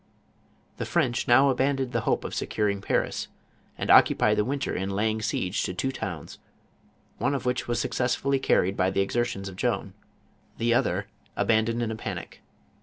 The French now abandoned the hope of securing Paris, and occupied the winter in laying siege to two towns, one of which was successfully carried by the exertions of Joan, the other abandoned in a panic.